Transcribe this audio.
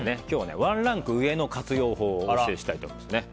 今日はワンランク上の活用法をお教えしたいと思います。